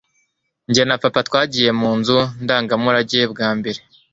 jye na papa twagiye mu nzu ndangamurage bwa mbere